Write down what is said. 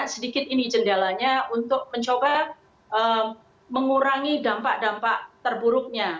jadi saya sangat sedikit jendelanya untuk mencoba mengurangi dampak dampak terburuknya